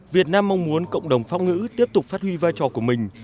việt nam mong muốn cộng đồng pháp ngữ tiếp tục phát huy vai trò của mình